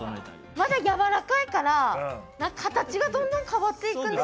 まだやわらかいから形がどんどん変わっていくんです。